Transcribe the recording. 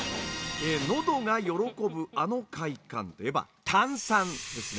のどが喜ぶあの快感といえば「炭酸」ですね。